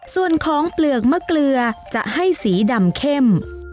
ส่วนของเปลือกมะเกลือจะให้สีดำเข้ม